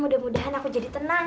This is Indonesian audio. mudah mudahan aku jadi tenang